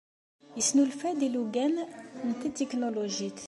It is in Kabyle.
Yesnulfa-d ilugan n tetiknulujit